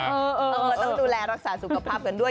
เอาเมื่อต้องดูแลรักษาสุขภาพกันด้วย